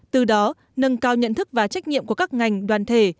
từ đó nâng cao nhận thức và trách nhiệm của các ngành đoàn thể